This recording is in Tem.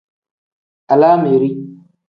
Alaameri.